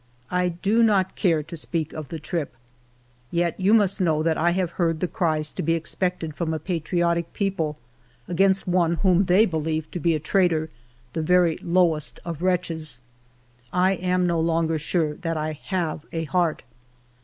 I do not care to speak of the trip. ... Yet you must know that I have heard the cries to be expected from a patriotic people against one whom they believe to be a traitor, the very lowest of wretches. I am no longer sure that I have a heart.